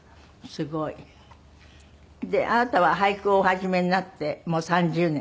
であなたは俳句をお始めになってもう３０年？